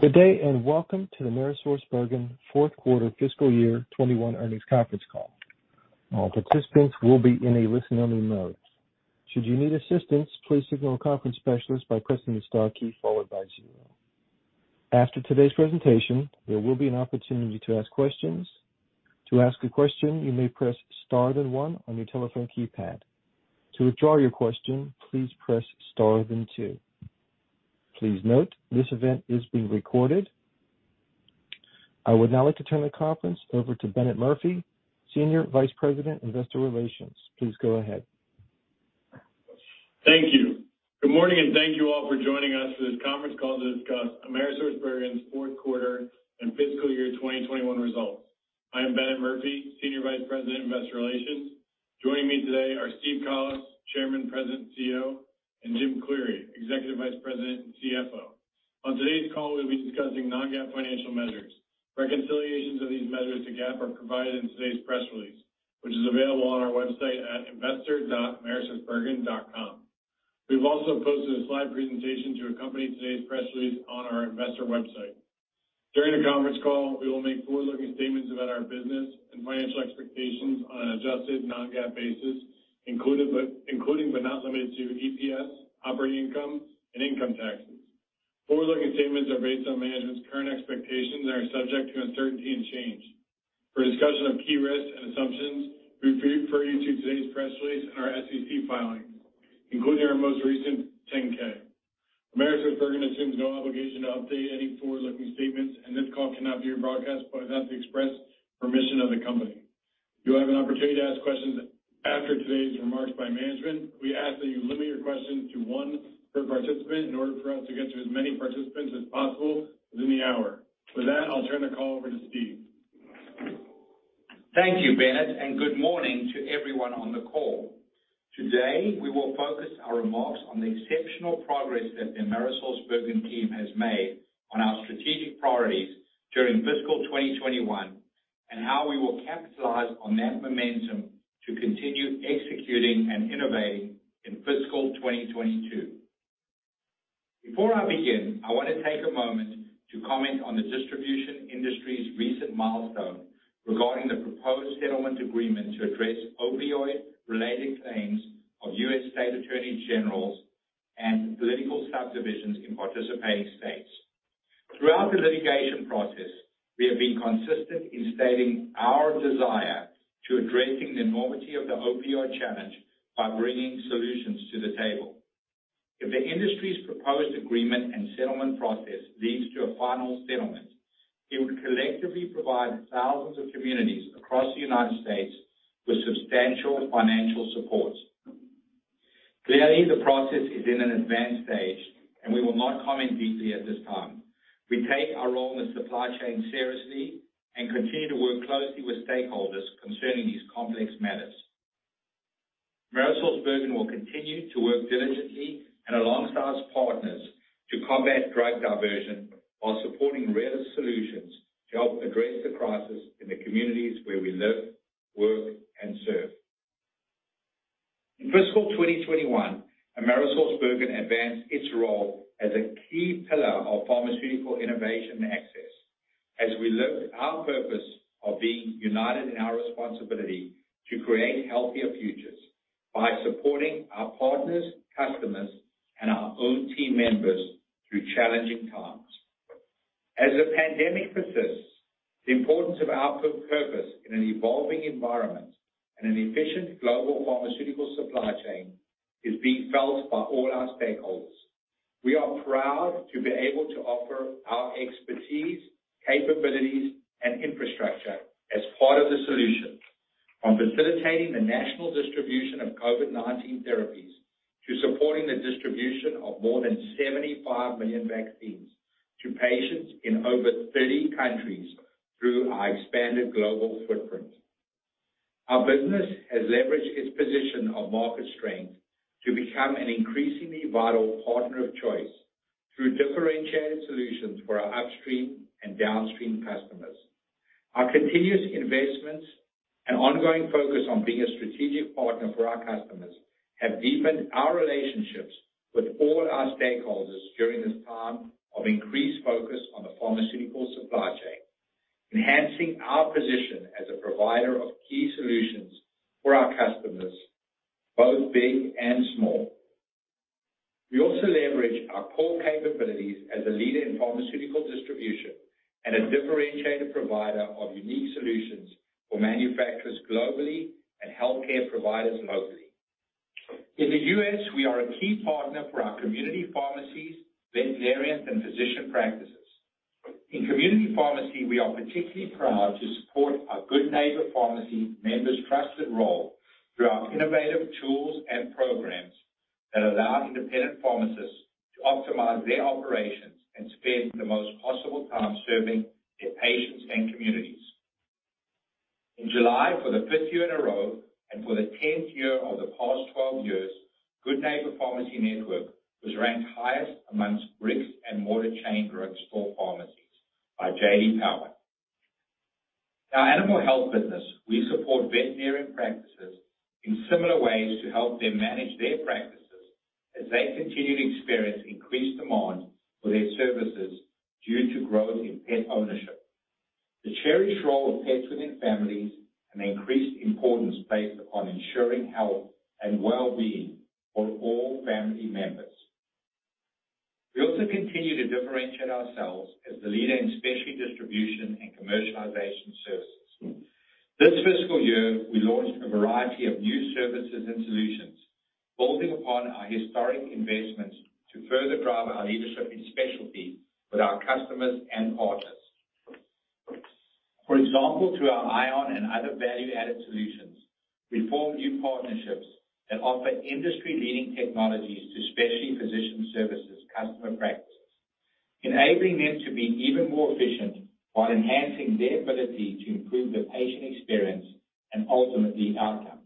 Good day, and welcome to the AmerisourceBergen Q4 fiscal year 2021 earnings conference call. All participants will be in a listen-only mode. Should you need assistance, please signal a conference specialist by pressing the star key followed by 0. After today's presentation, there will be an opportunity to ask questions. To ask a question, you may press star then 1 on your telephone keypad. To withdraw your question, please press star then 2. Please note, this event is being recorded. I would now like to turn the conference over to Bennett Murphy, Senior Vice President, Investor Relations. Please go ahead. Thank you. Good morning and thank you all for joining us for this conference call to discuss AmerisourceBergen's Q4 and fiscal year 2021 results. I am Bennett Murphy, Senior Vice President, Investor Relations. Joining me today are Steve Collis, Chairman, President, CEO, and Jim Cleary, Executive Vice President and CFO. On today's call, we'll be discussing non-GAAP financial measures. Reconciliations of these measures to GAAP are provided in today's press release, which is available on our website at investor.amerisourcebergen.com. We've also posted a slide presentation to accompany today's press release on our investor website. During the conference call, we will make forward-looking statements about our business and financial expectations on an adjusted non-GAAP basis, including but not limited to EPS, operating income, and income taxes. Forward-looking statements are based on management's current expectations and are subject to uncertainty and change. For a discussion of key risks and assumptions, we refer you to today's press release and our SEC filings, including our most recent 10-K. AmerisourceBergen assumes no obligation to update any forward-looking statements, and this call cannot be rebroadcast without the express permission of the company. You'll have an opportunity to ask questions after today's remarks by management. We ask that you limit your questions to one per participant in order for us to get to as many participants as possible within the hour. With that, I'll turn the call over to Steve. Thank you, Bennett, and good morning to everyone on the call. Today, we will focus our remarks on the exceptional progress that the AmerisourceBergen team has made on our strategic priorities during fiscal 2021, and how we will capitalize on that momentum to continue executing and innovating in fiscal 2022. Before I begin, I wanna take a moment to comment on the distribution industry's recent milestone regarding the proposed settlement agreement to address opioid-related claims of U.S. state attorneys general and political subdivisions in participating states. Throughout the litigation process, we have been consistent in stating our desire to address the enormity of the opioid challenge by bringing solutions to the table. If the industry's proposed agreement and settlement process leads to a final settlement, it would collectively provide thousands of communities across the United States with substantial financial support. Clearly, the process is in an advanced stage, and we will not comment deeply at this time. We take our role in the supply chain seriously and continue to work closely with stakeholders concerning these complex matters. AmerisourceBergen will continue to work diligently and alongside partners to combat drug diversion while supporting realistic solutions to help address the crisis in the communities where we live, work, and serve. In fiscal 2021, AmerisourceBergen advanced its role as a key pillar of pharmaceutical innovation and access as we lived our purpose of being united in our responsibility to create healthier futures by supporting our partners, customers, and our own team members through challenging times. As the pandemic persists, the importance of our purpose in an evolving environment and an efficient global pharmaceutical supply chain is being felt by all our stakeholders. We are proud to be able to offer our expertise, capabilities, and infrastructure as part of the solution in facilitating the national distribution of COVID-19 therapies, supporting the distribution of more than 75 million vaccines to patients in over 30 countries through our expanded global footprint. Our business has leveraged its position of market strength to become an increasingly vital partner of choice through differentiated solutions for our upstream and downstream customers. Our continuous investments and ongoing focus on being a strategic partner for our customers have deepened our relationships with all our stakeholders during this time of increased focus on the pharmaceutical supply chain, enhancing our position as a provider of key solutions for our customers, both big and small. We also leverage our core capabilities as a leader in pharmaceutical distribution and a differentiator provider of unique solutions for manufacturers globally and healthcare providers locally. In the U.S., we are a key partner for our community pharmacies, veterinarians, and physician practices. In community pharmacy, we are particularly proud to support our Good Neighbor Pharmacy members' trusted role through our innovative tools and programs that allow independent pharmacists to optimize their operations and spend the most possible time serving their patients and communities. In July, for the fifth year in a row and for the 10th year of the past 12 years, Good Neighbor Pharmacy network was ranked highest amongst brick-and-mortar chain drug stores for pharmacies by J.D. Power. Our animal health business, we support veterinary practices in similar ways to help them manage their practices as they continue to experience increased demand for their services due to growth in pet ownership. The cherished role of pets within families and increased importance placed upon ensuring health and well-being for all family members. We also continue to differentiate ourselves as the leader in specialty distribution and commercialization services. This fiscal year, we launched a variety of new services and solutions, building upon our historic investments to further drive our leadership in specialty with our customers and partners. For example, through our ION and other value-added solutions, we form new partnerships that offer industry-leading technologies to specialty physician services customer practices, enabling them to be even more efficient while enhancing their ability to improve the patient experience and ultimately outcomes.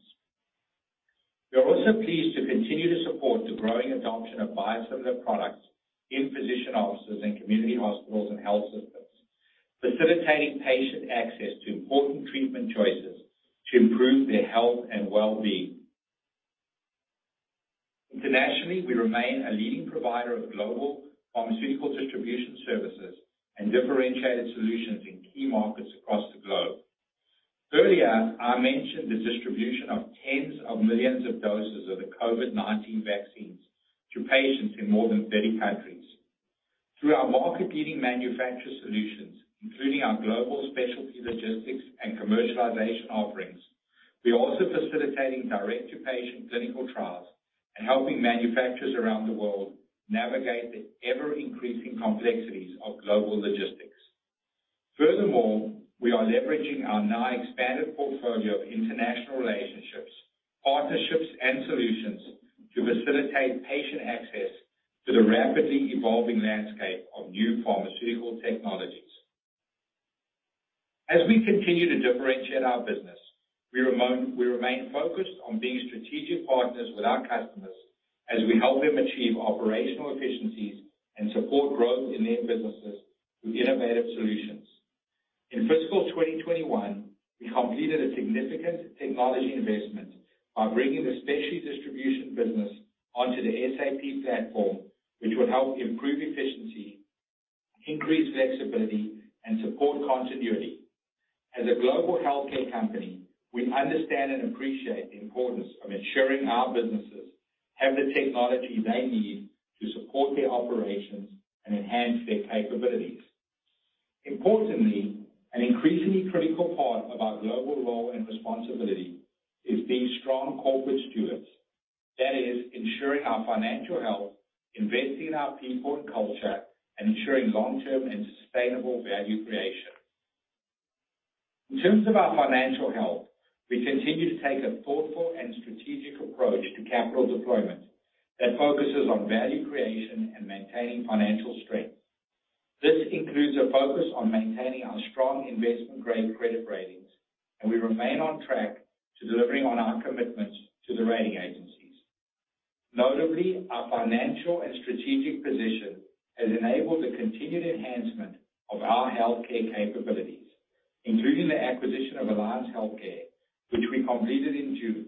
We are also pleased to continue to support the growing adoption of biosimilar products in physician offices and community hospitals and health systems, facilitating patient access to important treatment choices to improve their health and well-being. Internationally, we remain a leading provider of global pharmaceutical distribution services and differentiated solutions in key markets across the globe. Earlier, I mentioned the distribution of tens of millions of doses of the COVID-19 vaccines to patients in more than 30 countries. Through our market-leading manufacturer solutions, including our global specialty logistics and commercialization offerings, we are also facilitating direct-to-patient clinical trials and helping manufacturers around the world navigate the ever-increasing complexities of global logistics. Furthermore, we are leveraging our now expanded portfolio of international relationships, partnerships, and solutions to facilitate patient access to the rapidly evolving landscape of new pharmaceutical technologies. As we continue to differentiate our business, we remain focused on being strategic partners with our customers as we help them achieve operational efficiencies and support growth in their businesses through innovative solutions. In fiscal 2021, we completed a significant technology investment by bringing the specialty distribution business onto the SAP platform, which will help improve efficiency, increase flexibility, and support continuity. As a global healthcare company, we understand and appreciate the importance of ensuring our businesses have the technology they need to support their operations and enhance their capabilities. Importantly, an increasingly critical part of our global role and responsibility is being strong corporate stewards. That is ensuring our financial health, investing in our people and culture, and ensuring long-term and sustainable value creation. In terms of our financial health, we continue to take a thoughtful and strategic approach to capital deployment that focuses on value creation and maintaining financial strength. This includes a focus on maintaining our strong investment-grade credit ratings, and we remain on track to delivering on our commitments to the rating agencies. Notably, our financial and strategic position has enabled the continued enhancement of our healthcare capabilities, including the acquisition of Alliance Healthcare, which we completed in June.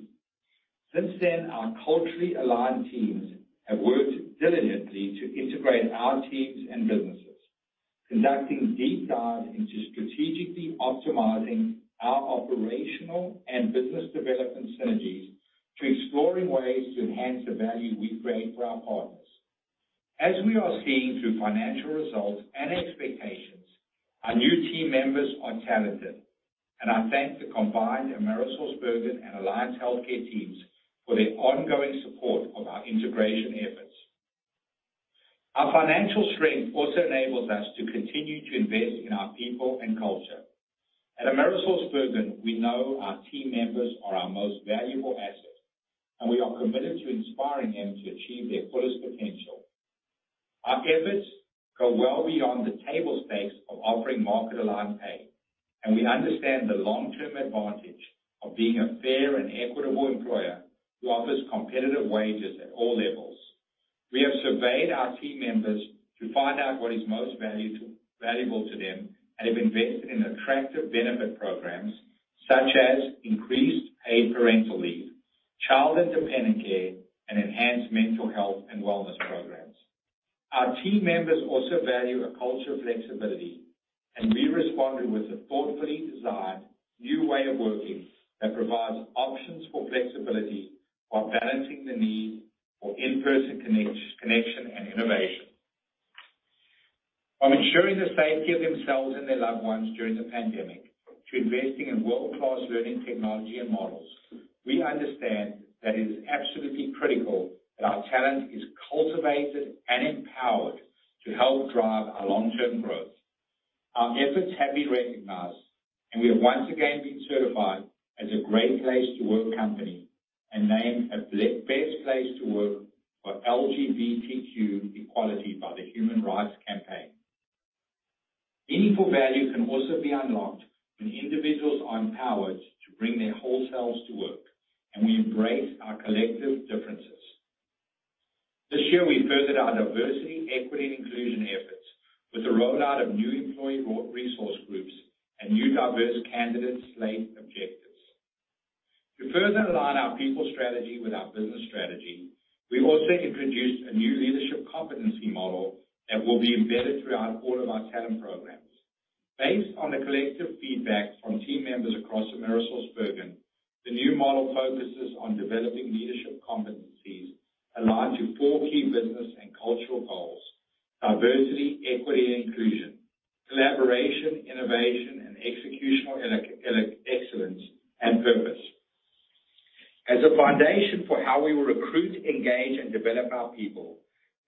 Since then, our culturally aligned teams have worked diligently to integrate our teams and businesses, conducting deep dives into strategically optimizing our operational and business development synergies to exploring ways to enhance the value we create for our partners. As we are seeing through financial results and expectations, our new team members are talented, and I thank the combined AmerisourceBergen and Alliance Healthcare teams for their ongoing support of our integration efforts. Our financial strength also enables us to continue to invest in our people and culture. At AmerisourceBergen, we know our team members are our most valuable asset, and we are committed to inspiring them to achieve their fullest potential. Our efforts go well beyond the table stakes of offering market-aligned pay, and we understand the long-term advantage of being a fair and equitable employer who offers competitive wages at all levels. We have surveyed our team members to find out what is most valuable to them and have invested in attractive benefit programs such as increased paid parental leave, child and dependent care, and enhanced mental health and wellness programs. Our team members also value a culture of flexibility, and we responded with a thoughtfully designed new way of working that provides options for flexibility while balancing the need for in-person connection and innovation. From ensuring the safety of themselves and their loved ones during the pandemic to investing in world-class learning technology and models, we understand that it is absolutely critical that our talent is cultivated and empowered to help drive our long-term growth. Our efforts have been recognized, and we have once again been certified as a great place to work company and named a best place to work for LGBTQ equality by the Human Rights Campaign. Meaningful value can also be unlocked when individuals are empowered to bring their whole selves to work, and we embrace our collective differences. This year, we furthered our diversity, equity and inclusion efforts with the rollout of new employee resource groups and new diverse candidate slate objectives. To further align our people strategy with our business strategy, we also introduced a new leadership competency model that will be embedded throughout all of our talent programs. Based on the collective feedback from team members across AmerisourceBergen, the new model focuses on developing leadership competencies aligned to four key business and cultural goals, diversity, equity, and inclusion, collaboration, innovation, and executional excellence and purpose. As a foundation for how we will recruit, engage, and develop our people,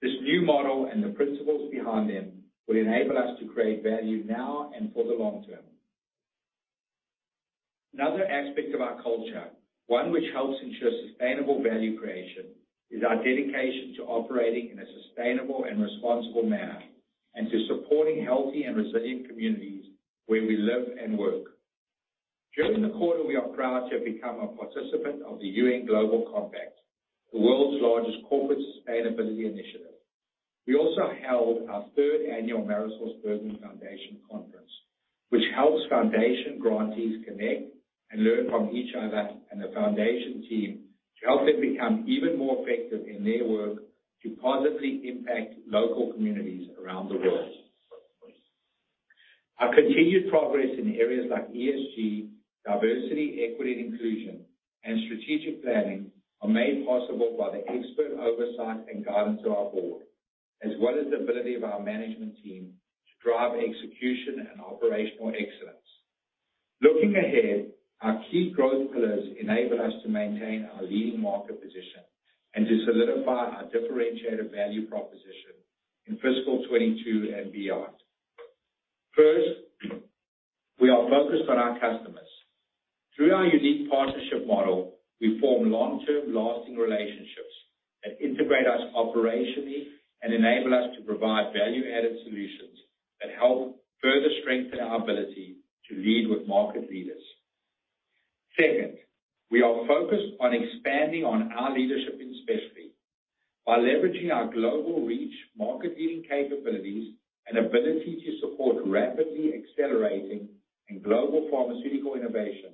this new model and the principles behind them will enable us to create value now and for the long term. Another aspect of our culture, one which helps ensure sustainable value creation, is our dedication to operating in a sustainable and responsible manner, and to supporting healthy and resilient communities where we live and work. During the quarter, we are proud to have become a participant of the UN Global Compact, the world's largest corporate sustainability initiative. We also held our third annual AmerisourceBergen Foundation Conference, which helps foundation grantees connect and learn from each other and the foundation team to help them become even more effective in their work to positively impact local communities around the world. Our continued progress in areas like ESG, diversity, equity, and inclusion, and strategic planning are made possible by the expert oversight and guidance of our board, as well as the ability of our management team to drive execution and operational excellence. Looking ahead, our key growth pillars enable us to maintain our leading market position and to solidify our differentiated value proposition in fiscal 2022 and beyond. First, we are focused on our customers. Through our unique partnership model, we form long-term lasting relationships that integrate us operationally and enable us to provide value-added solutions that help further strengthen our ability to lead with market leaders. Second, we are focused on expanding on our leadership in specialty. By leveraging our global reach, market-leading capabilities, and ability to support rapidly accelerating and global pharmaceutical innovation,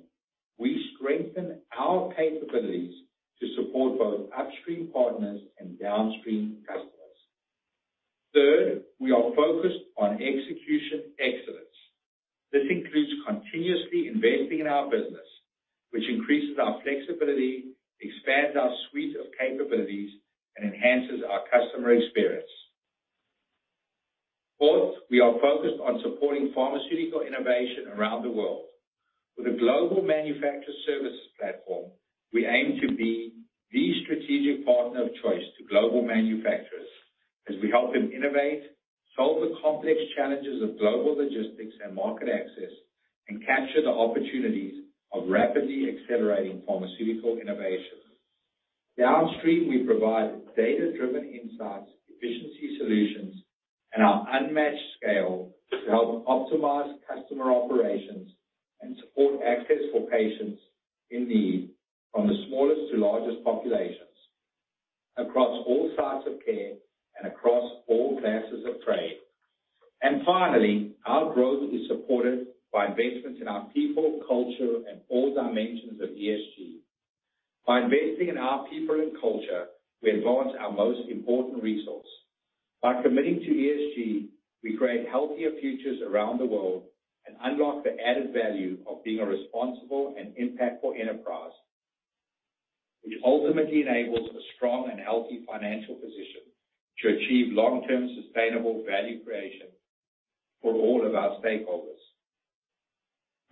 we strengthen our capabilities to support both upstream partners and downstream customers. Third, we are focused on execution excellence. This includes continuously investing in our business, which increases our flexibility, expands our suite of capabilities, and enhances our customer experience. Fourth, we are focused on supporting pharmaceutical innovation around the world. With a global manufacturer services platform, we aim to be the strategic partner of choice to global manufacturers as we help them innovate, solve the complex challenges of global logistics and market access, and capture the opportunities of rapidly accelerating pharmaceutical innovation. Downstream, we provide data-driven insights, efficiency solutions, and our unmatched scale to help optimize customer operations and support access for patients in need from the smallest to largest populations, across all sites of care and across all classes of trade. Finally, our growth is supported by investments in our people, culture, and all dimensions of ESG. By investing in our people and culture, we advance our most important resource. By committing to ESG, we create healthier futures around the world and unlock the added value of being a responsible and impactful enterprise, which ultimately enables a strong and healthy financial position to achieve long-term sustainable value creation for all of our stakeholders.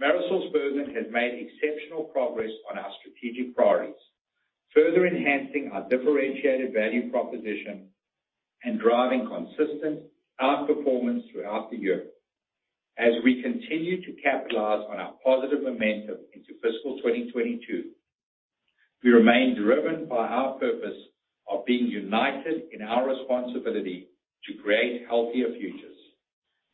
AmerisourceBergen has made exceptional progress on our strategic priorities, further enhancing our differentiated value proposition and driving consistent outperformance throughout the year. As we continue to capitalize on our positive momentum into fiscal 2022, we remain driven by our purpose of being united in our responsibility to create healthier futures.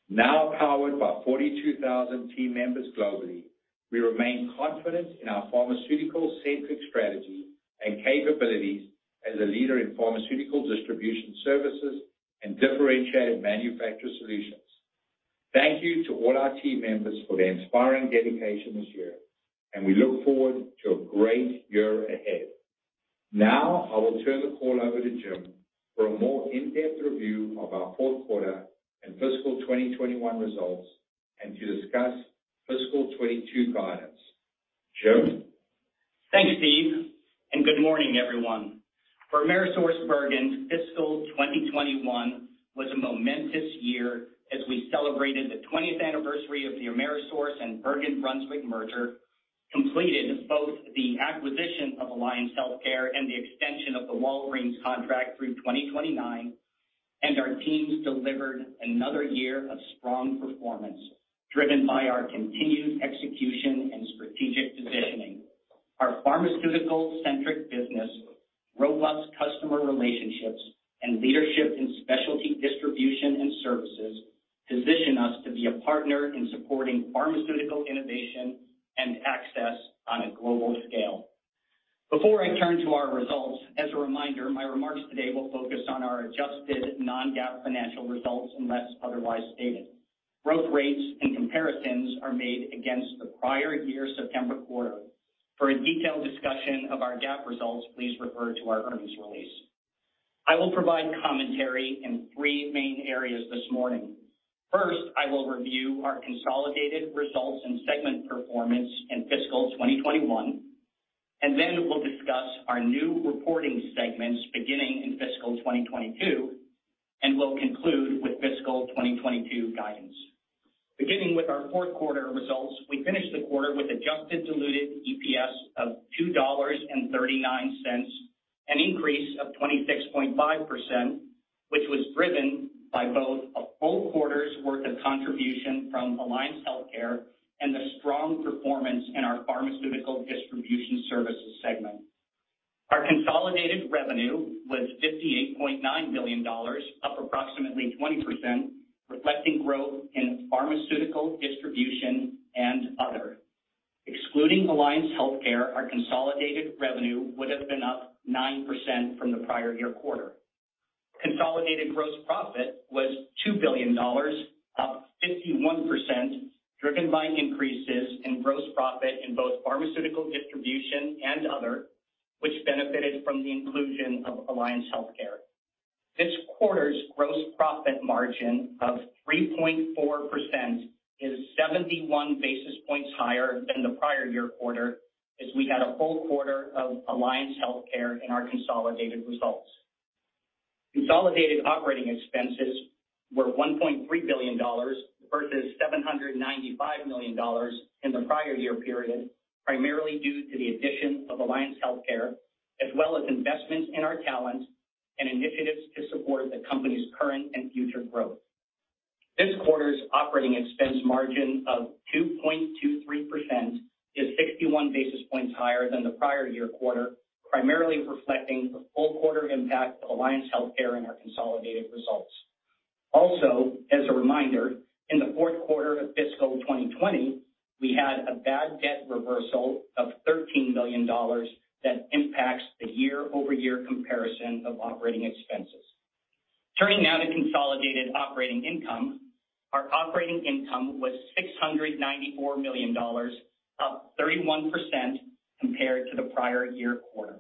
Now powered by 42,000 team members globally, we remain confident in our pharmaceutical-centric strategy and capabilities as a leader in Pharmaceutical Distribution Services and differentiated manufacturer solutions. Thank you to all our team members for their inspiring dedication this year, and we look forward to a great year ahead. Now, I will turn the call over to Jim for a more in-depth review of our Q4 and fiscal 2021 results, and to discuss fiscal 2022 guidance. Jim? Thanks, Steve, and good morning, everyone. For AmerisourceBergen, fiscal 2021 was a momentous year as we celebrated the 20th anniversary of the AmeriSource and merger, completed both the acquisition of Alliance Healthcare and the extension of the contract through 2029, and our teams delivered another year of strong performance, driven by our continued execution and strategic positioning. Our pharmaceutical-centric business, robust customer relationships, and leadership in specialty distribution and services position us to be a partner in supporting pharmaceutical innovation and access on a global scale. Before I turn to our results, as a reminder, my remarks today will focus on our adjusted non-GAAP financial results, unless otherwise stated. Growth rates and comparisons are made against the prior year September quarter. For a detailed discussion of our GAAP results, please refer to our earnings release. I will provide commentary in three main areas this morning. First, I will review our consolidated results and segment performance in fiscal 2021, and then we'll discuss our new reporting segments beginning in fiscal 2022, and we'll conclude with fiscal 2022 guidance. Beginning with our Q4 results, we finished the quarter with adjusted diluted EPS of $2.39, an increase of 26.5%, which was driven by both a full quarter's worth of contribution from Alliance Healthcare and the strong performance in our Pharmaceutical Distribution Services segment. Our consolidated revenue was $58.9 billion, up approximately 20%, reflecting growth in Pharmaceutical Distribution and Other. Excluding Alliance Healthcare, our consolidated revenue would have been up 9% from the prior year quarter. Consolidated gross profit was $2 billion, up 51%, driven by increases in gross profit in both Pharmaceutical Distribution and Other, which benefited from the inclusion of Alliance Healthcare. This quarter's gross profit margin of 3.4% is 71 basis points higher than the prior year quarter as we had a full quarter of Alliance Healthcare in our consolidated results. Consolidated operating expenses were $1.3 billion versus $795 million in the prior year period, primarily due to the addition of Alliance Healthcare, as well as investments in our talent and initiatives to support the company's current and future growth. This quarter's operating expense margin of 2.23% is 61 basis points higher than the prior year quarter, primarily reflecting the full quarter impact of Alliance Healthcare in our consolidated results. As a reminder, in the fourth quarter of fiscal 2020, we had a bad debt reversal of $13 million that impacts the year-over-year comparison of operating expenses. Turning now to consolidated operating income. Our operating income was $694 million, up 31% compared to the prior year quarter.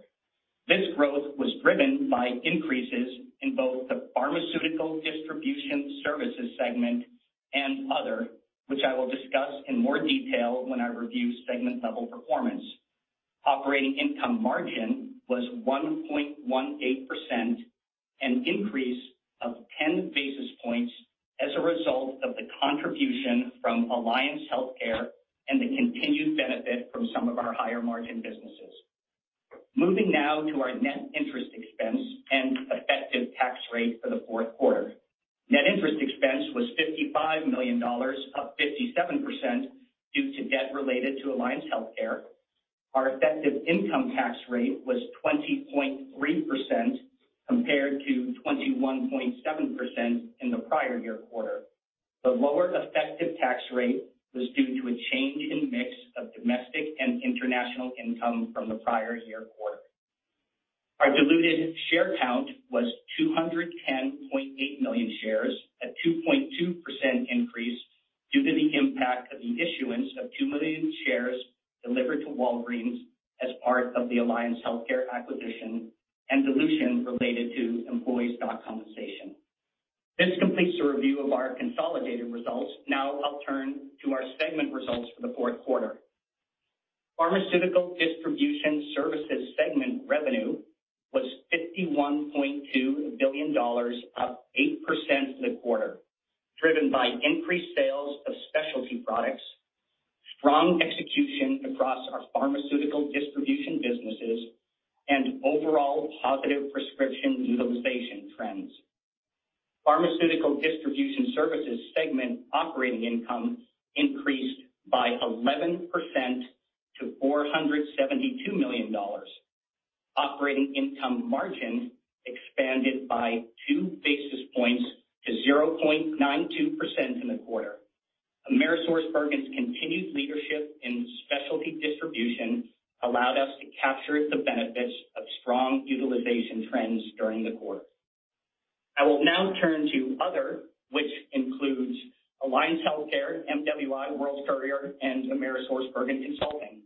This growth was driven by increases in both the Pharmaceutical Distribution Services segment and Other, which I will discuss in more detail when I review segment-level performance. Operating income margin was 1.18%, an increase of 10 basis points as a result of the contribution from Alliance Healthcare and the continued benefit from some of our higher-margin businesses. Moving now to our net interest expense and effective tax rate for the fourth quarter. Net interest expense was $55 million, up 57% due to debt related to Alliance Healthcare. Our effective income tax rate was 20.3% compared to 21.7% in the prior year quarter. The lower effective tax rate was due to a change in mix of domestic and international income from the prior year quarter. Our diluted share count was 210.8 million shares, a 2.2% increase due to the impact of the issuance of 2 million shares delivered to Walgreens as part of the Alliance Healthcare acquisition and dilution related to employee stock compensation. This completes the review of our consolidated results. Now I'll turn to our segment results for the Q4. Pharmaceutical Distribution Services segment revenue was $51.2 billion, up 8% for the quarter, driven by increased sales of specialty products, strong execution across our pharmaceutical distribution businesses, and overall positive prescription utilization trends. Pharmaceutical Distribution Services segment operating income increased by 11% to $472 million. Operating income margin expanded by 2 basis points to 0.92% in the quarter. AmerisourceBergen's continued leadership in specialty distribution allowed us to capture the benefits of strong utilization trends during the quarter. I will now turn to Other, which includes Alliance Healthcare, MWI, World Courier, and AmerisourceBergen Consulting.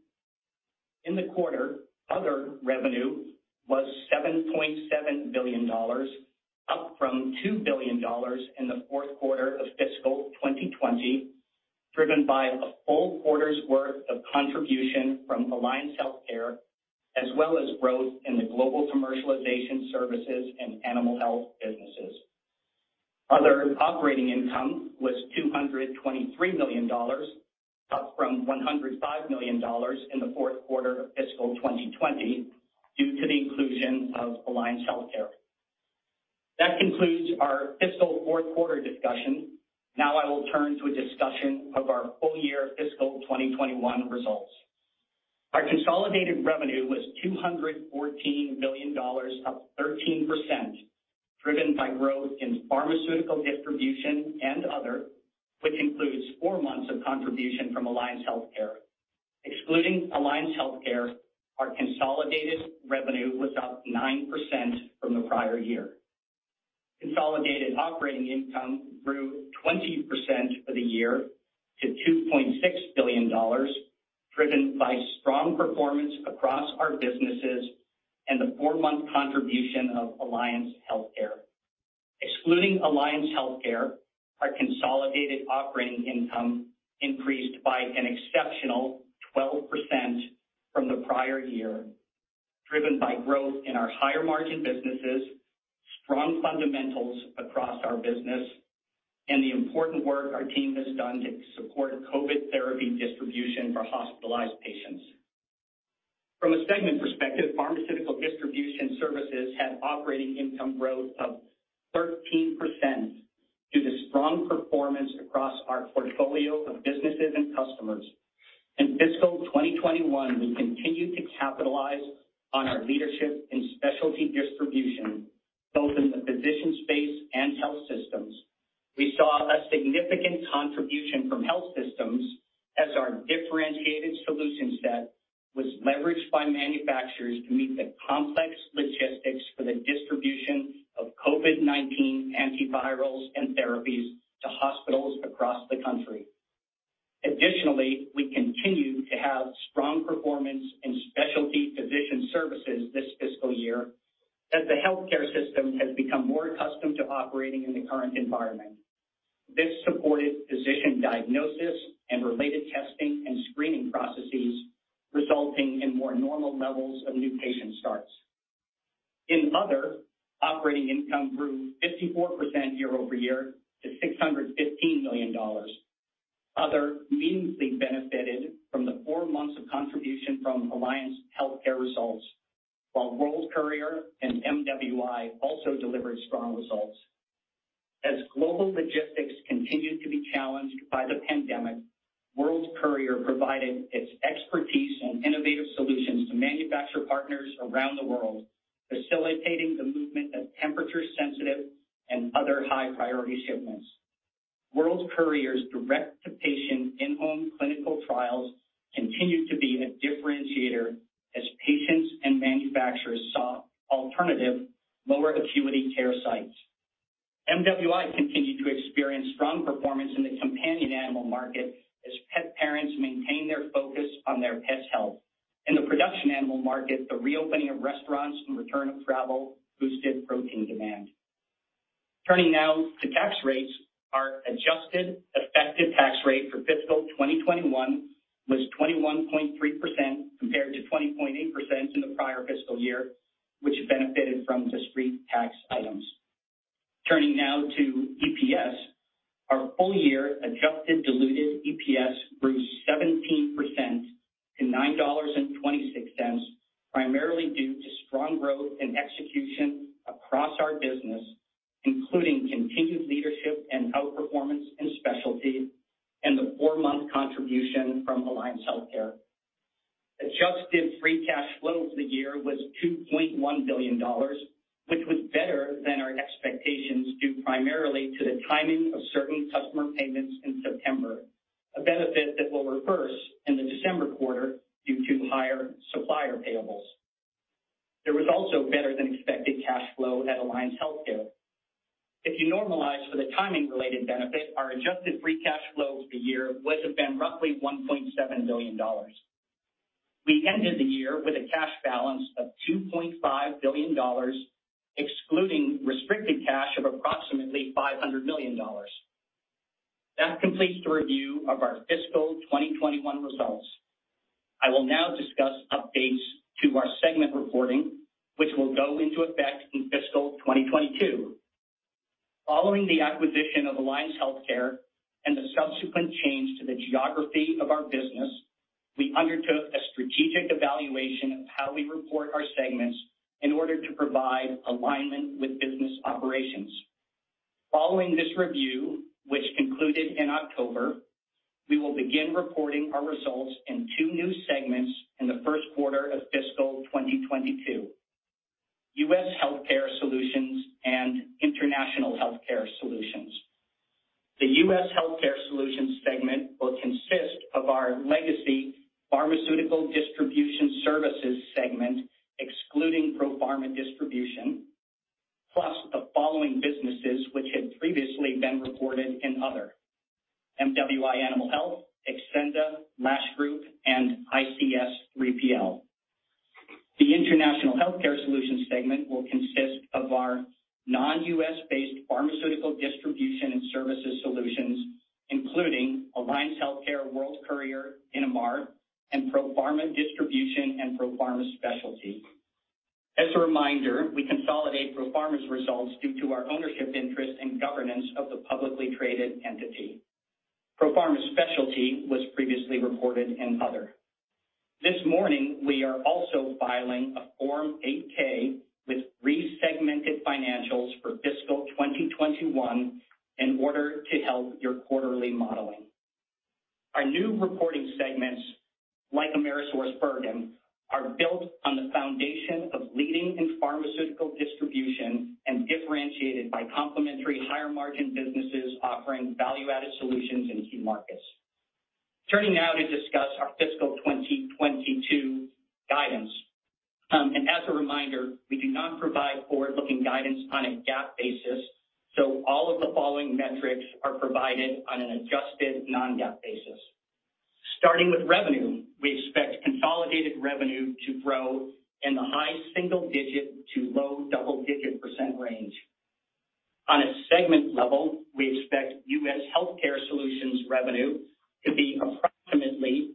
In the quarter, other revenue was $7.7 billion, up from $2 billion in the Q4 of fiscal 2020, driven by a full quarter's worth of contribution from Alliance Healthcare, as well as growth in the global commercialization services and animal health businesses. Other operating income was $223 million, up from $105 million in the Q4 of fiscal 2020 due to the inclusion of Alliance Healthcare. That concludes our fiscal Q4 discussion. Now I will turn to a discussion of our full-year fiscal 2021 results. Our consolidated revenue was $214 million, up 13%, driven by growth in pharmaceutical distribution and other, which includes four months of contribution from Alliance Healthcare. Excluding Alliance Healthcare, our consolidated revenue was up 9% from the prior year. Consolidated operating income grew 20% for the year to $2.6 billion, driven by strong performance across our businesses and the four-month contribution of Alliance Healthcare. Excluding Alliance Healthcare, our consolidated operating income increased by an exceptional 12% from the prior year, driven by growth in our higher-margin businesses, strong fundamentals across our business, and the important work our team has done to support COVID therapy distribution for hospitalized patients. From a segment perspective, Pharmaceutical Distribution Services had operating income growth of 13% due to strong performance across our portfolio of businesses and customers. In fiscal 2021, we continued to capitalize on our leadership in specialty distribution, both in the physician space and health systems. We saw a significant contribution from health systems as our differentiated solution set was leveraged by manufacturers to meet the complex logistics for the distribution of COVID-19 antivirals and therapies to hospitals across the country. Additionally, we continued to have strong performance in specialty physician services this fiscal year as the healthcare system has become more accustomed to operating in the current environment. This supported physician diagnosis and related testing and screening processes, resulting in more normal levels of new patient starts. In Other, operating income grew 54% year-over-year to $615 million. Others meaningfully benefited from the four months of contribution from Alliance Healthcare results, while World Courier and MWI also delivered strong results. As global logistics continued to be challenged by the pandemic, World Courier provided its expertise and innovative solutions to manufacturer partners around the world, facilitating the movement of temperature-sensitive and other high-priority shipments. World Courier's direct-to-patient in-home clinical trials continued to be a differentiator as patients and manufacturers sought alternative lower acuity care sites. MWI continued to experience strong performance in the companion animal market as pet parents maintained their focus on their pets' health. In the production animal market, the reopening of restaurants and return of travel boosted protein demand. Turning now to tax rates, our adjusted effective tax rate for fiscal 2021 was 21.3% compared to 20.8% in the prior fiscal year, which benefited from discrete tax items. Turning now to EPS, our full-year adjusted diluted EPS grew 17% to $9.26, primarily due to strong growth and execution across our business, including continued leadership and outperformance in specialty and the 4-month contribution from Alliance Healthcare. Adjusted free cash flow for the year was $2.1 billion, which was better than our expectations, due primarily to the timing of certain customer payments in September, a benefit that will reverse in the December quarter due to higher supplier payables. There was also better-than-expected cash flow at Alliance Healthcare. If you normalize for the timing-related benefit, our adjusted free cash flow for the year would have been roughly $1.7 billion. We ended the year with a cash balance of $2.5 billion, excluding restricted cash of approximately $500 million. That completes the review of our fiscal 2021 results. I will now discuss updates to our segment reporting, which will go into effect in fiscal 2022. Following the acquisition of Alliance Healthcare and the subsequent change to the geography of our business, we undertook a strategic evaluation of how we report our segments in order to provide alignment with business operations. Following this review, which concluded in October, we will begin reporting our results in two new segments in the Q1 of fiscal 2022: U.S. Healthcare Solutions and International Healthcare Solutions. The U.S. Healthcare Solutions segment will consist of our legacy Pharmaceutical Distribution Services segment, excluding, plus the following businesses which had previously been reported in Other, MWI Animal Health, Xcenda, Lash Group, and ICS 3PL. The International Healthcare Solutions segment will consist of our non-U.S.-based pharmaceutical distribution and services solutions, including Alliance Healthcare, World Courier, Innomar, and Profarma Distribution, and Profarma Specialty. As a reminder, we consolidate Profarma's results due to our ownership interest and governance of the publicly traded entity. Profarma Specialty was previously reported in Other. This morning, we are also filing a Form 8-K with resegmented financials for fiscal 2021. In order to help your quarterly modeling. Our new reporting segments, like AmerisourceBergen, are built on the foundation of leading in pharmaceutical distribution and differentiated by complementary higher margin businesses offering value-added solutions in key markets. Turning now to discuss our fiscal 2022 guidance. As a reminder, we do not provide forward-looking guidance on a GAAP basis, so all of the following metrics are provided on an adjusted non-GAAP basis. Starting with revenue, we expect consolidated revenue to grow in the high single-digit to low double-digit % range. On a segment level, we expect U.S. Healthcare Solutions revenue to be approximately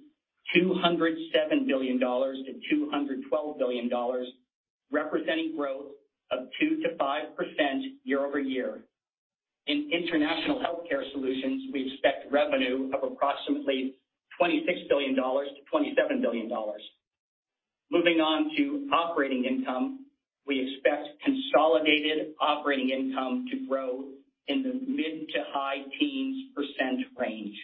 $207 billion-$212 billion, representing growth of 2%-5% year-over-year. In International Healthcare Solutions, we expect revenue of approximately $26 billion-$27 billion. Moving on to operating income, we expect consolidated operating income to grow in the mid- to high-teens % range.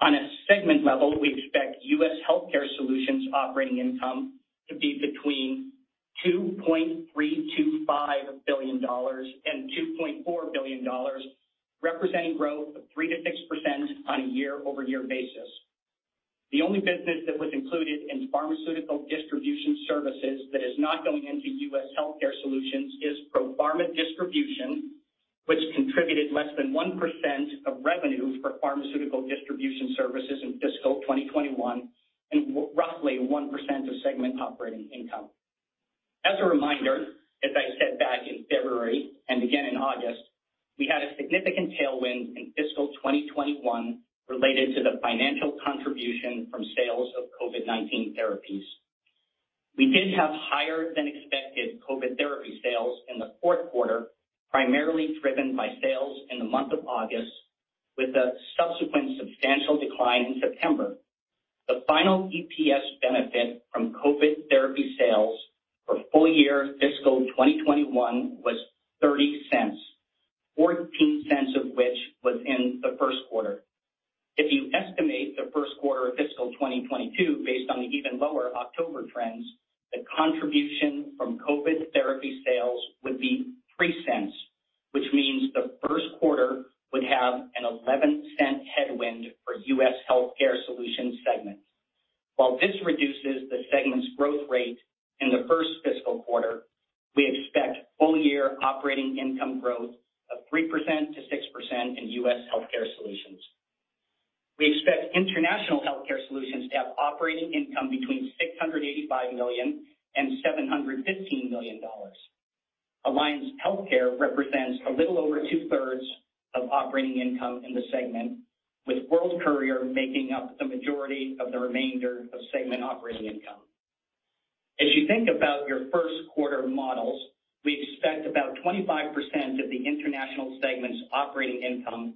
On a segment level, we expect U.S. Healthcare Solutions operating income to be between $2.325 billion and $2.4 billion, representing growth of 3%-6% on a year-over-year basis. The only business that was included in Pharmaceutical Distribution Services that is not going into U.S. Healthcare Solutions is Profarma Distribution, which contributed less than 1% of revenue for Pharmaceutical Distribution Services in fiscal 2021 and roughly 1% of segment operating income. As a reminder, as I said back in February and again in August, we had a significant tailwind in fiscal 2021 related to the financial contribution from sales of COVID-19 therapies. We did have higher than expected COVID therapy sales in the Q4, primarily driven by sales in the month of August, with a subsequent substantial decline in September. The final EPS benefit from COVID therapy sales for full year fiscal 2021 was $0.30, $0.14 of which was in the Q1. If you estimate the Q1 of fiscal operating income between $685 million and $715 million. Alliance Healthcare represents a little over two-thirds of operating income in the segment, with World Courier making up the majority of the remainder of segment operating income. As you think about your Q1 models, we expect about 25% of the international segment's operating income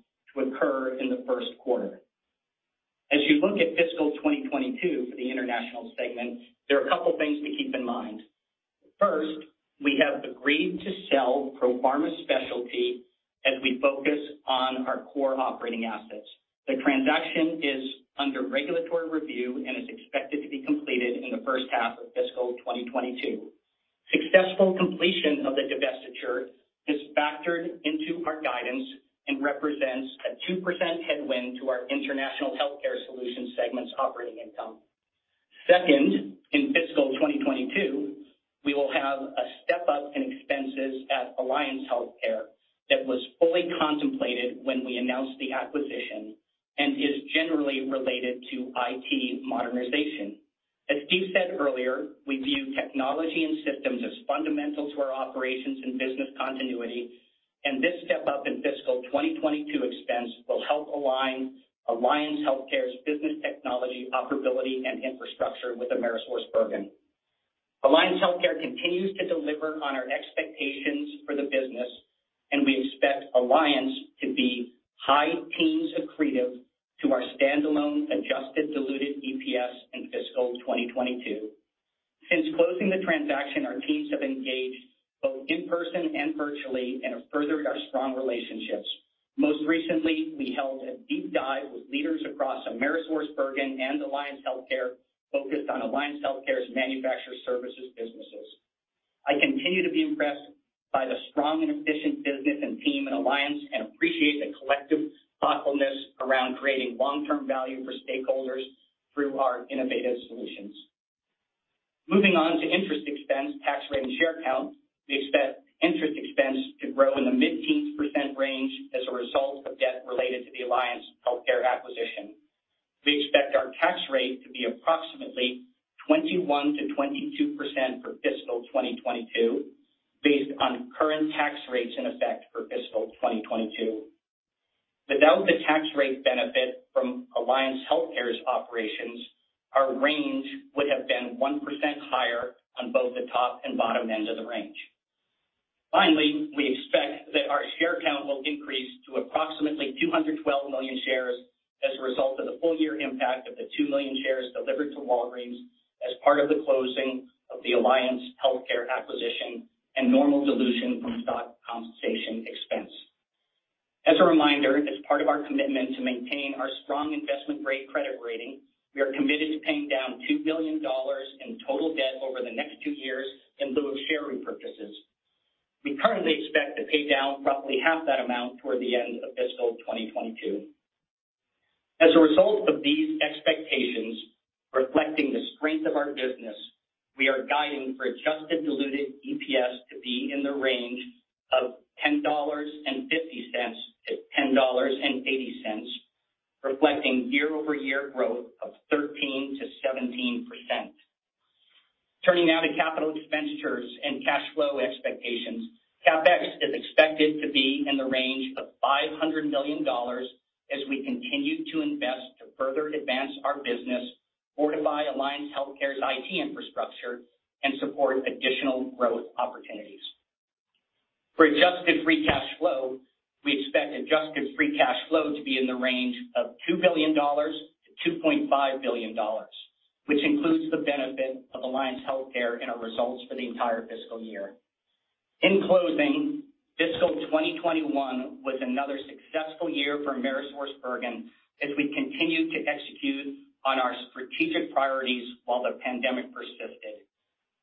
and we expect Alliance to be high teens accretive to our standalone adjusted diluted EPS in fiscal 2022. Since closing the transaction, our teams have engaged both in person and virtually and have furthered our strong relationships. Most recently, we held a deep dive with leaders across AmerisourceBergen and Alliance Healthcare focused on Alliance Healthcare's manufacturer services businesses. I continue to be impressed by the strong and efficient business and team in Alliance and appreciate the collective thoughtfulness around creating long-term value for stakeholders through our innovative solutions. Moving on to interest expense, tax rate, and share count. We expect interest expense to grow in the mid-teens % range as a result of debt related to the Alliance Healthcare acquisition. We expect our tax rate to be approximately 21%-22% for fiscal 2022 based on current tax rates in effect for fiscal 2022. Without the tax rate benefit from Alliance Healthcare's operations, our range would have been 1% higher on both the top and bottom ends of the range. Finally, we expect that our share count will increase to approximately 212 million shares as a result of the full year impact of the 2 million shares delivered to Walgreens as part of the closing of the Alliance Healthcare acquisition and normal dilution from stock compensation expense. As a reminder, as part of our commitment to maintain our strong investment grade credit rating, we are committed to paying down $2 billion in total debt over the next two years in lieu of share repurchases. We currently expect to pay down roughly half that amount toward the end of fiscal 2022. As a result of these expectations, reflecting the strength of our business, we are guiding for adjusted diluted EPS to be in the range of $10.50-$10.80, reflecting year-over-year growth of 13%-17%. Turning now to capital expenditures and cash flow expectations. CapEx is expected to be in the range of $500 million as we continue to invest to further advance our business, fortify Alliance Healthcare's IT infrastructure, and support additional growth opportunities. For adjusted free cash flow, we expect adjusted free cash flow to be in the range of $2 billion-$2.5 billion, which includes the benefit of Alliance Healthcare in our results for the entire fiscal year. In closing, fiscal 2021 was another successful year for AmerisourceBergen as we continued to execute on our strategic priorities while the pandemic persisted.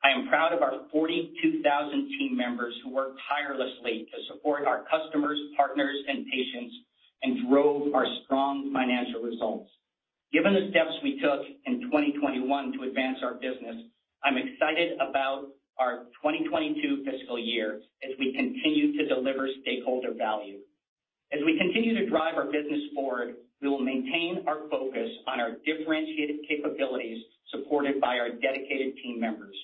I am proud of our 42,000 team members who worked tirelessly to support our customers, partners, and patients and drove our strong financial results. Given the steps we took in 2021 to advance our business, I'm excited about our 2022 fiscal year as we continue to deliver stakeholder value. As we continue to drive our business forward, we will maintain our focus on our differentiated capabilities supported by our dedicated team members.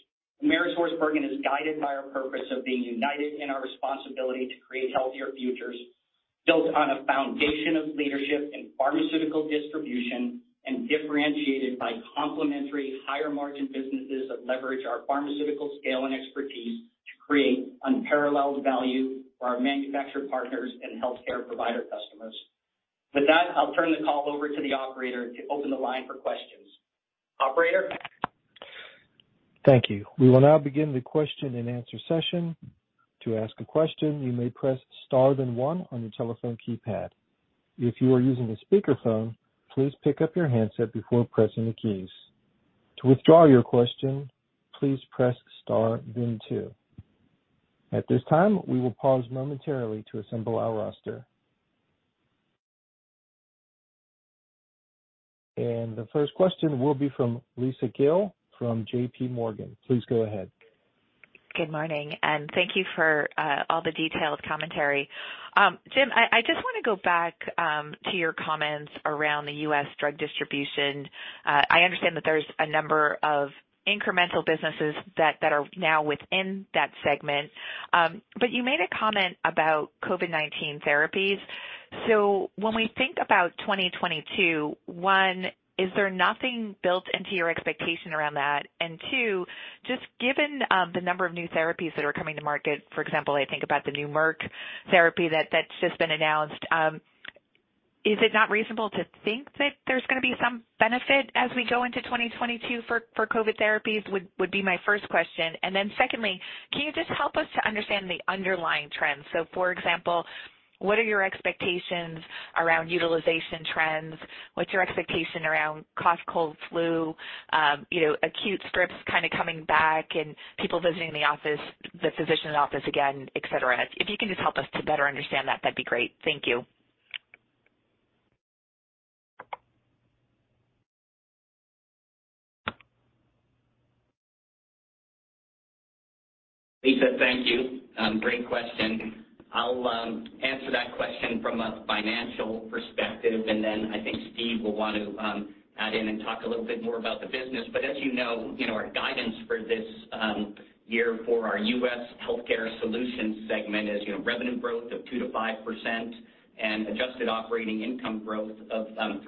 AmerisourceBergen is guided by our purpose of being united in our responsibility to create healthier futures, built on a foundation of leadership in pharmaceutical distribution and differentiated by complementary higher margin businesses that leverage our pharmaceutical scale and expertise to create unparalleled value for our manufacturer partners and healthcare provider customers. With that, I'll turn the call over to the operator to open the line for questions. Operator. Thank you. We will now begin the question and answer session. To ask a question, you may press star then one on your telephone keypad. If you are using a speakerphone, please pick up your handset before pressing the keys. To withdraw your question, please press star then two. At this time, we will pause momentarily to assemble our roster. The first question will be from Lisa Gill from. Please go ahead. Good morning, and thank you for all the detailed commentary. Jim, I just want to go back to your comments around the U.S. drug distribution. I understand that there's a number of incremental businesses that are now within that segment. You made a comment about COVID-19 therapies. When we think about 2022, one, is there nothing built into your expectation around that? And two, just given the number of new therapies that are coming to market, for example, I think about the new Merck therapy that's just been announced. Is it not reasonable to think that there's going to be some benefit as we go into 2022 for COVID therapies? Would be my first question. And then secondly, can you just help us to understand the underlying trends? For example, what are your expectations around utilization trends? What's your expectation around cough, cold, flu, acute scripts kind of coming back and people visiting the office, the physician office again, et cetera? If you can just help us to better understand that'd be great. Thank you. Lisa, thank you. Great question. I'll answer that question from a financial perspective, and then I think Steve will want to add in and talk a little bit more about the business. As you know, our guidance for this year for our U.S. Healthcare Solutions segment is revenue growth of 2%-5% and adjusted operating income growth of 3%-6%.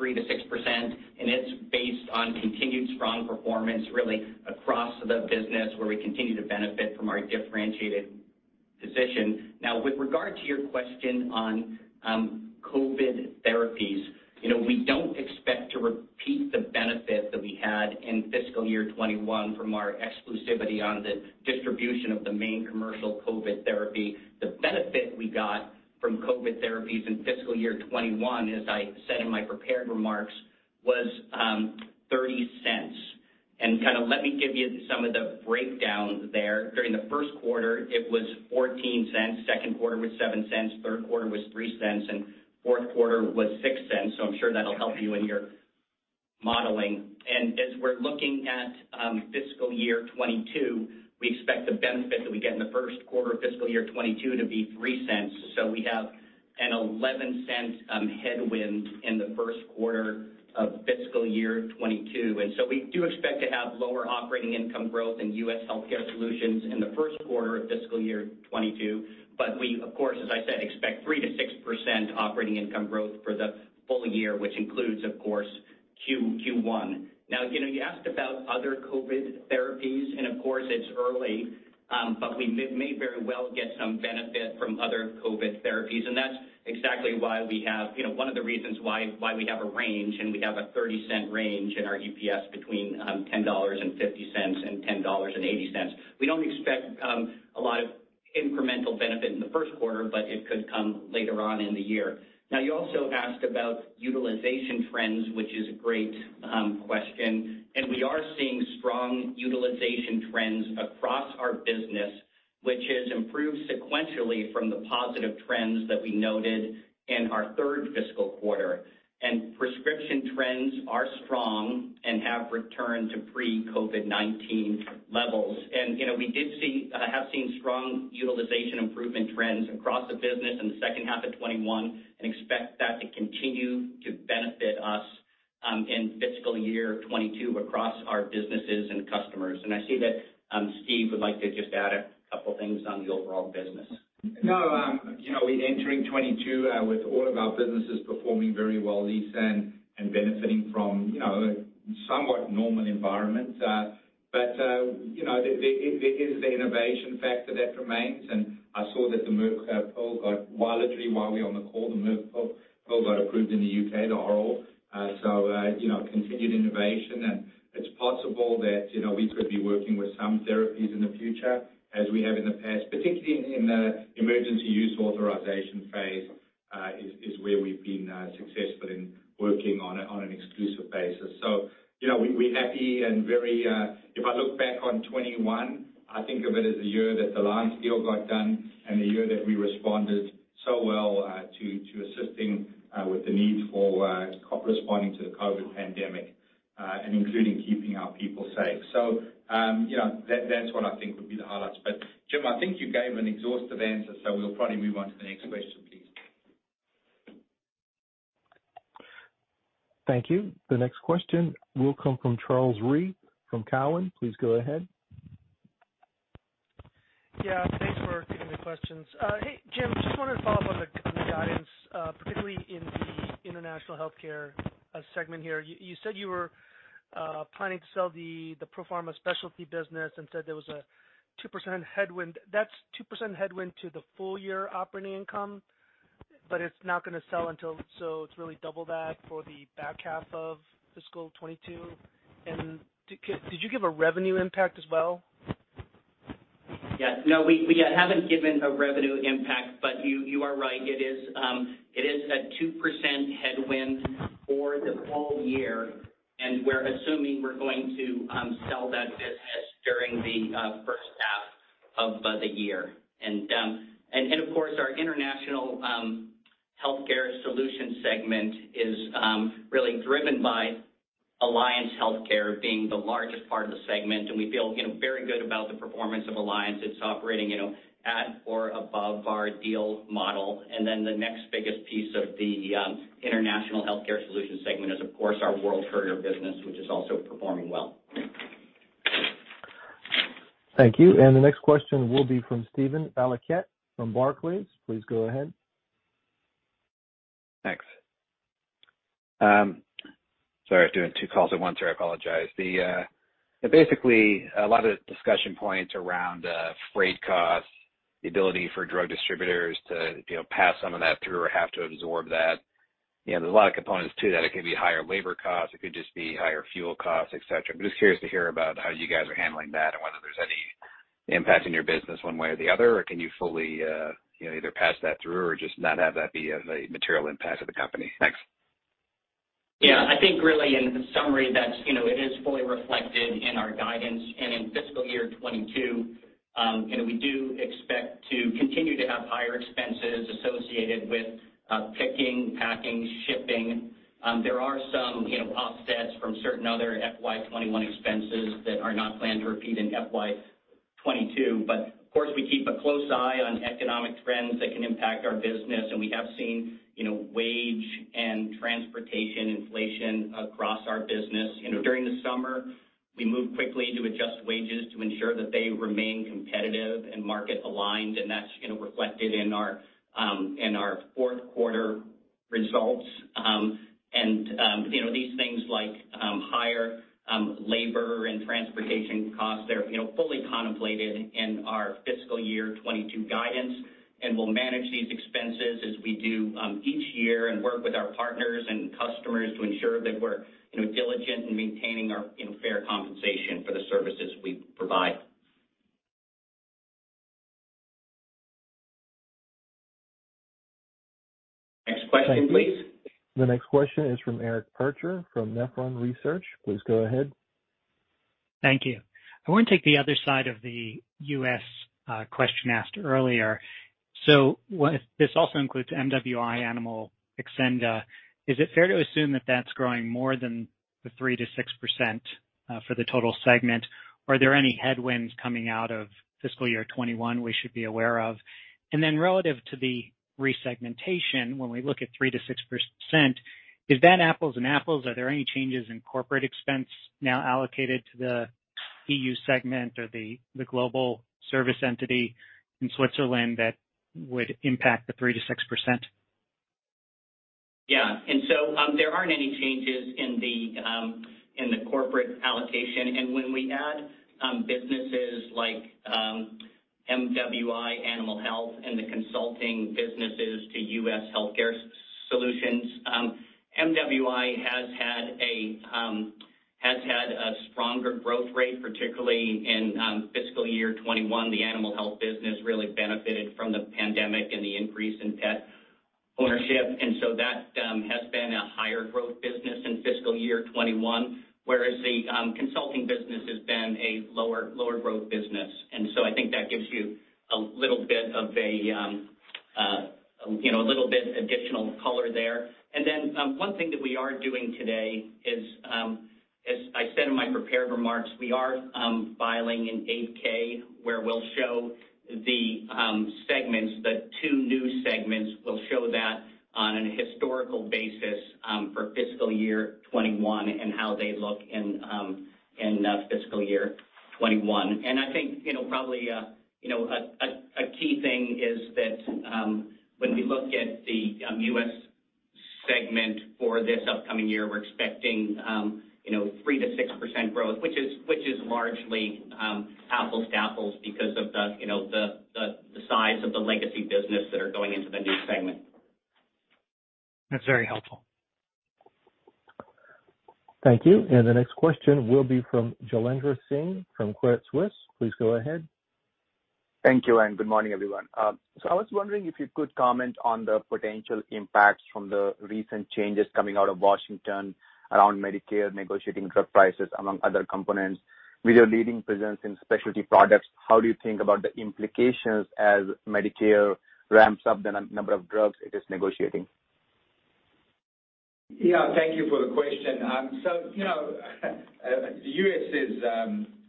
It's based on continued strong performance, really across the business, where we continue to benefit from our differentiated position. Now, with regard to your question on COVID therapies, we don't expect to repeat the benefit that we had in fiscal year 2021 from our exclusivity on the distribution of the main commercial COVID therapy. The benefit we got from COVID therapies in fiscal year 2021, as I said in my prepared remarks, was $0.30. Kind of let me give you some of the breakdowns there. During the Q1, it was $0.14, Q2 was $0.07, Q3 was $0.03, and Q4 was $0.06. I'm sure that'll help you in your modeling. As we're looking at fiscal year 2022, we expect the benefit that we get in the Q1 of fiscal year 2022 to be $0.03. We have a $0.11 headwind in the Q1 of fiscal year 2022. We do expect to have lower operating income growth in U.S. Healthcare Solutions in the Q1 of fiscal year 2022. We, of course, as I said, expect 3%-6% operating income growth for the full year, which includes, of course, Q1. Now, you know, you asked about other COVID therapies, and of course, it's early, but we may very well get some benefit from other COVID therapies. That's exactly why we have, one of the reasons why we have a range, and we have a 30-cent range in our EPS between $10.50 and $10.80. We don't expect a lot of incremental benefit in the Q1, but it could come later on in the year. Now, you also asked about utilization trends, which is a great question. We are seeing strong utilization trends across our business, which has improved sequentially from the positive trends that we noted in our third fiscal quarter. Prescription trends are strong and have returned to pre-COVID-19 levels. You know, we have seen strong utilization improvement trends across the business in the second half of 2021 and expect that to continue to benefit us in fiscal year 2022 across our businesses and customers. I see that Steve would like to just add a couple things on the overall business. No, you know, we're entering 2022 with all of our businesses performing very well, Lisa, and benefiting from, somewhat normal environments. You know, there is the innovation factor that remains, and I saw that the Merck pill got approved while literally while we're on the call in the U.K., the oral. You know, continued innovation. It's possible that, we could be working with some therapies in the future as we have in the past, particularly in the emergency use authorization phase is where we've been successful in working on an exclusive basis. You know, we're happy and very. If I look back on 2021, I think of it as a year that the alliance deal got done and the year that we responded so well to assisting with the need for corresponding to the COVID-19 pandemic and including keeping our people safe. You know, that's what I think would be the highlights. Jim, I think you gave an exhaustive answer, so we'll probably move on to the next question, please. Thank you. The next question will come from Charles Rhyee from Cowen. Please go ahead. Yeah, thanks for taking the questions. Hey, Jim, just wanted to follow up on the guidance, particularly in the international healthcare segment here. You said you were planning to sell the Profarma Specialty business and said there was a 2% headwind. That's 2% headwind to the full year operating income, but it's not gonna sell until, so it's really double that for the back half of fiscal 2022. Did you give a revenue impact as well? Yeah. No, we haven't given a revenue impact, but you are right. It is a 2% headwind for the full year, and we're assuming we're going to sell that business during the first half of the year. Of course, our International Healthcare Solutions segment is really driven by Alliance Healthcare being the largest part of the segment. We feel, very good about the performance of Alliance. It's operating, at or above our deal model. The next biggest piece of the International Healthcare Solutions segment is, of course, our World Courier business, which is also performing well. Thank you. The next question will be from Steven Valiquette from Barclays. Please go ahead. Thanks. Sorry, I was doing two calls at once here. I apologize. Basically, a lot of discussion points around freight costs, the ability for drug distributors to, pass some of that through or have to absorb that. You know, there's a lot of components to that. It could be higher labor costs, it could just be higher fuel costs, et cetera. I'm just curious to hear about how you guys are handling that and whether there's any impact in your business one way or the other, or can you fully, either pass that through or just not have that be of a material impact to the company? Thanks. Yeah. I think really in summary, that it is fully reflected in our guidance and in fiscal year 2022, and we do expect to continue to have higher expenses associated with picking, packing, shipping. There are some, offsets from certain other FY 2021 expenses that are not planned to repeat in FY 2022. Of course, we keep a close eye on economic trends that can impact our business. We have seen, wage and transportation inflation across our business. You know, during the summer, we moved quickly to adjust wages to ensure that they remain competitive and market aligned, and that's, reflected in our Q4 results. You know, these things like higher labor and transportation costs, they're, fully contemplated in our fiscal year 2022 guidance. We'll manage these expenses as we do each year and work with our partners and customers to ensure that we're, diligent in maintaining our, fair compensation for the services we provide. Next question, please. The next question is from Eric Percher from. Please go ahead. Thank you. I want to take the other side of the U.S. question asked earlier. This also includes MWI Animal, Xcenda. Is it fair to assume that that's growing more than the 3%-6% for the total segment? Are there any headwinds coming out of fiscal year 2021 we should be aware of? Relative to the resegmentation, when we look at 3%-6%, is that apples and apples? Are there any changes in corporate expense now allocated to the EU segment or the global service entity in Switzerland that would impact the 3%-6%? Yeah. There aren't any changes in the corporate allocation. When we add businesses like MWI Animal Health and the consulting businesses to U.S. Healthcare Solutions, MWI has had a stronger growth rate, particularly in fiscal year 2021. The animal health business really benefited from the pandemic and the increase in pet ownership. That has been a higher growth business in fiscal year 2021, whereas the consulting business has been a lower growth business. I think that gives you a little bit of a, little bit additional color there. One thing that we are doing today is, as I said in my prepared remarks, we are filing an 8-K where we'll show the segments, the two new segments. We'll show that on a historical basis for fiscal year 2021 and how they look in fiscal year 2021. I think, probably, a key thing is that when we look at the U.S. segment for this upcoming year, we're expecting, 3%-6% growth, which is largely apples to apples because of the size of the legacy business that are going into the new segment. That's very helpful. Thank you. The next question will be from Jailendra Singh from Credit Suisse. Please go ahead. Thank you, and good morning, everyone. I was wondering if you could comment on the potential impacts from the recent changes coming out of Washington around Medicare negotiating drug prices, among other components. With your leading presence in specialty products, how do you think about the implications as Medicare ramps up the number of drugs it is negotiating? Yeah, thank you for the question. So, the U.S. is,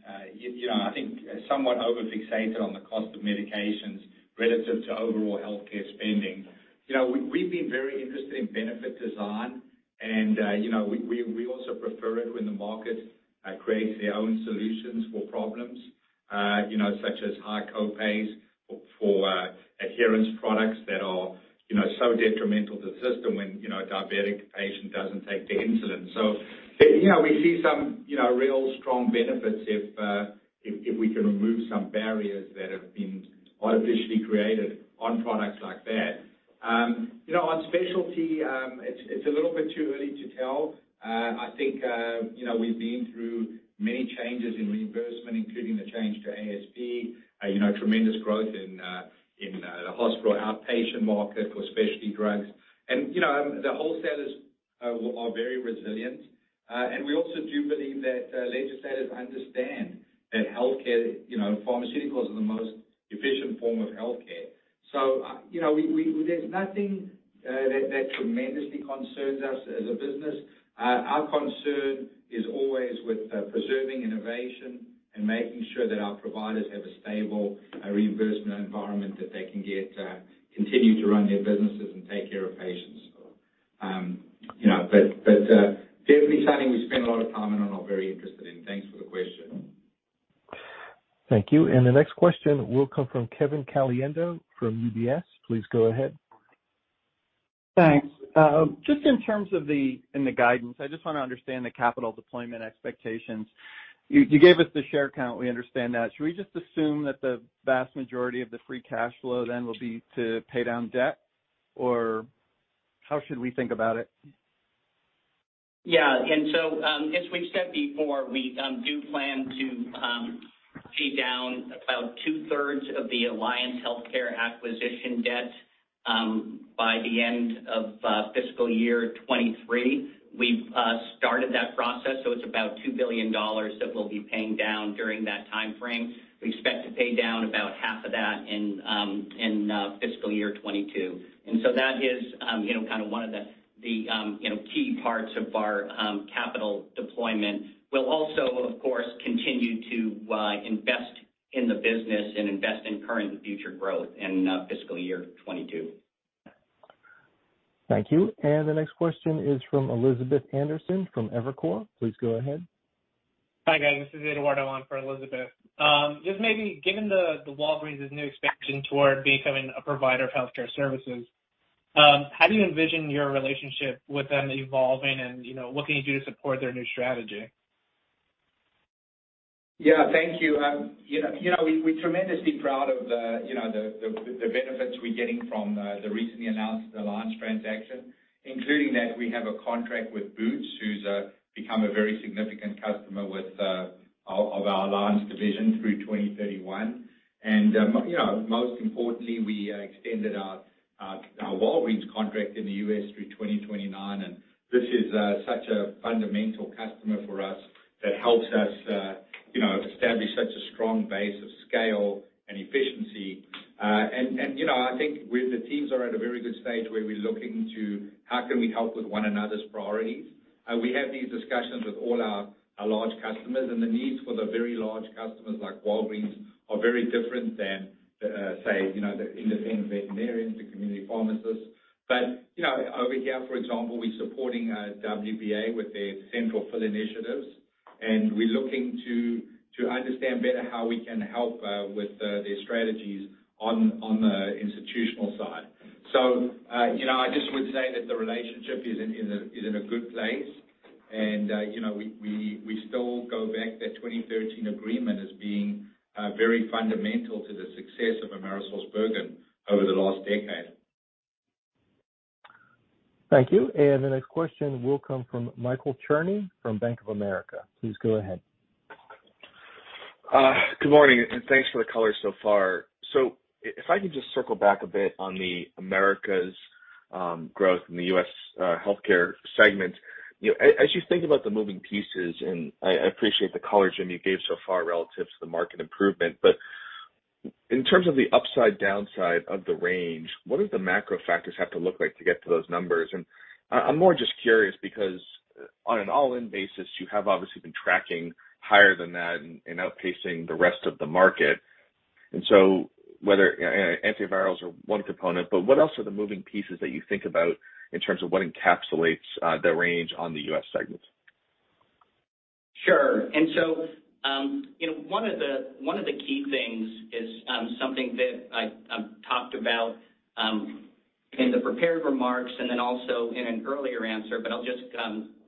I think somewhat overfixated on the cost of medications relative to overall healthcare spending. You know, we've been very interested in benefit design and, we also prefer it when the market creates their own solutions for problems, such as high co-pays for adherence products that are, so detrimental to the system when, a diabetic patient doesn't take their insulin. So, we see some, real strong benefits if we can remove some barriers that have been artificially created on products like that. You know, on specialty, it's a little bit too early to tell. I think, we've been through many changes in reimbursement, including the change to ASP, tremendous growth in the hospital outpatient market for specialty drugs. You know, the wholesalers are very resilient. We also do believe that legislators understand that healthcare, pharmaceuticals are the most efficient form of healthcare. You know, there's nothing that tremendously concerns us as a business. Our concern is always with preserving innovation and making sure that our providers have a stable reimbursement environment that they can get to continue to run their businesses and take care of patients. You know, definitely something we spend a lot of time and are all very interested in. Thanks for the question. Thank you. The next question will come from Kevin Caliendo from UBS. Please go ahead. Thanks. Just in terms of the guidance, I just wanna understand the capital deployment expectations. You gave us the share count, we understand that. Should we just assume that the vast majority of the free cash flow then will be to pay down debt, or how should we think about it? Yeah. As we've said before, we do plan to pay down about two-thirds of the Alliance Healthcare acquisition debt by the end of fiscal year 2023. We've started that process, so it's about $2 billion that we'll be paying down during that timeframe. We expect to pay down about half of that in fiscal year 2022. That is, kind of one of the key parts of our capital deployment. We'll also, of course, continue to invest in the business and invest in current and future growth in fiscal year 2022. Thank you. The next question is from Elizabeth Anderson from Evercore. Please go ahead. Hi, guys. This is Eduardo on for Elizabeth. Just maybe given the Walgreens' new expansion toward becoming a provider of healthcare services, how do you envision your relationship with them evolving and, what can you do to support their new strategy? Yeah. Thank you. You know, we're tremendously proud of the benefits we're getting from the recently announced Alliance transaction, including that we have a contract with Boots, who's become a very significant customer with our Alliance division through 2031. Most importantly, we extended our Walgreens contract in the U.S. through 2029, and this is such a fundamental customer for us that helps us establish such a strong base of scale and efficiency. You know, I think the teams are at a very good stage where we're looking to how can we help with one another's priorities. We have these discussions with all our large customers, and the needs for the very large customers like Walgreens are very different than the, say, the independent veterinarians, the community pharmacists. You know, over here, for example, we're supporting WBA with their central fill initiatives. We're looking to understand better how we can help with the strategies on the institutional side. You know, I just would say that the relationship is in a good place and, we still go back to that 2013 agreement as being very fundamental to the success of AmerisourceBergen over the last decade. Thank you. The next question will come from Michael Cherny from Bank of America. Please go ahead. Good morning, and thanks for the color so far. If I could just circle back a bit on the U.S. growth in the U.S. Healthcare segment. You know, as you think about the moving pieces, and I appreciate the color you've given so far relative to the market improvement. In terms of the upside, downside of the range, what do the macro factors have to look like to get to those numbers? I'm more just curious because on an all-in basis, you have obviously been tracking higher than that and outpacing the rest of the market. Whether, antivirals are one component, but what else are the moving pieces that you think about in terms of what encapsulates the range on the U.S. segment? Sure. You know, one of the key things is something that I talked about in the prepared remarks and then also in an earlier answer, but I'll just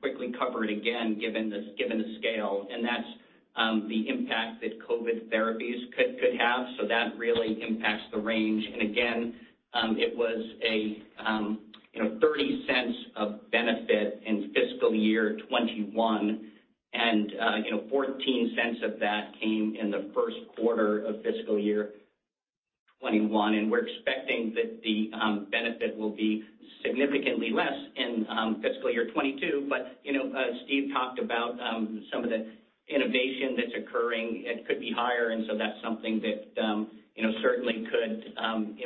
quickly cover it again given the scale, and that's the impact that COVID therapies could have. That really impacts the range. Again, you know, it was $0.30 of benefit in fiscal year 2021. You know, $0.14 of that came in the Q1 of fiscal year 2021. We're expecting that the benefit will be significantly less in fiscal year 2022. You know, as Steve talked about, some of the innovation that's occurring, it could be higher. That's something that, certainly could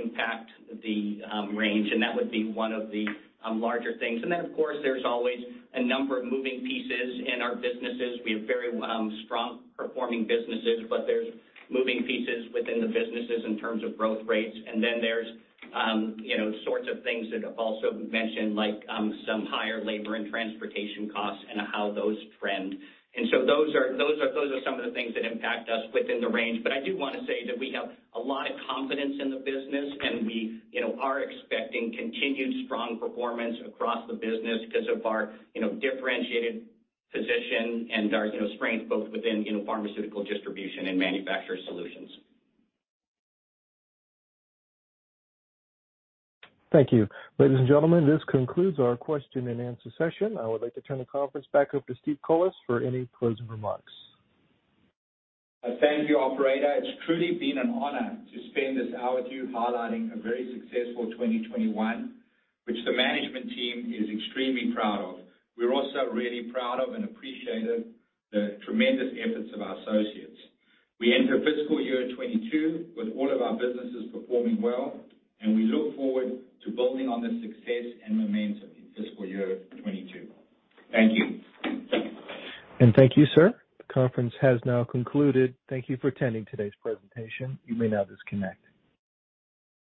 impact the range, and that would be one of the larger things. Of course, there's always a number of moving pieces in our businesses. We have very strong performing businesses, but there's moving pieces within the businesses in terms of growth rates. There's, sorts of things that I've also mentioned, like, some higher labor and transportation costs and how those trend. Those are some of the things that impact us within the range. I do wanna say that we have a lot of confidence in the business and we, are expecting continued strong performance across the business 'cause of our, differentiated position and our, strength both within, pharmaceutical distribution and manufacturer solutions. Thank you. Ladies and gentlemen, this concludes our question-and-answer session. I would like to turn the conference back over to Steve Collis for any closing remarks. Thank you, operator. It's truly been an honor to spend this hour with you highlighting a very successful 2021, which the management team is extremely proud of. We're also really proud of and appreciated the tremendous efforts of our associates. We enter fiscal year 2022 with all of our businesses performing well, and we look forward to building on this success and momentum in fiscal year 2022. Thank you. Thank you, sir. The conference has now concluded. Thank you for attending today's presentation. You may now disconnect.